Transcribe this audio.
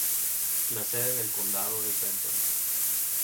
La sede del condado es Benson.